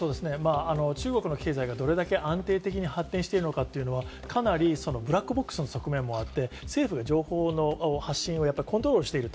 中国の経済がどれだけ安定的に発展しているのかというのは、かなりブラックボックスの側面もあって、政府が情報の発信をコントロールしていると。